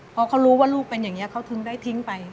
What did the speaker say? พอเขารู้ว่าลูกเป็นอย่างนี้เขาถึงได้ทิ้งไป